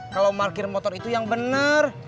kalau markir motor itu yang bener